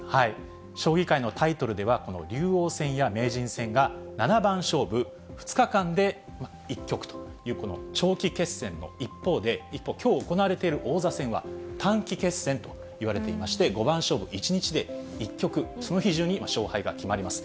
将棋界のタイトルでは、この竜王戦や名人戦が七番勝負、２日間で１局というこの長期決戦の一方、きょう行われている王座戦は短期決戦といわれていまして、五番勝負、１日で１局、その日中に勝敗が決まります。